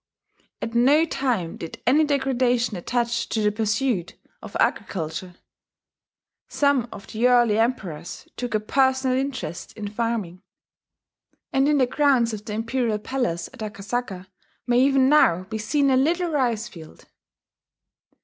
At no time did any degradation attach to the pursuit of agriculture. Some of the early emperors took a personal interest in farming; and in the grounds of the Imperial Palace at Akasaka may even now be seen a little rice field.